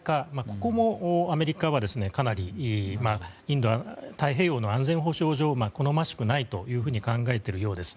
ここもアメリカは、かなりインド太平洋の安全保障上好ましくないと考えているようです。